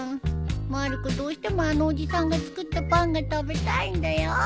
まる子どうしてもあのおじさんが作ったパンが食べたいんだよ。